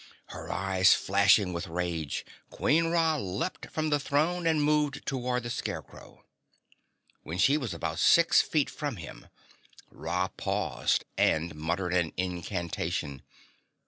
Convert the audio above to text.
Her eyes flashing with rage, Queen Ra leaped from the throne and moved toward the Scarecrow. When she was about six feet from him, Ra paused and muttered an incantation.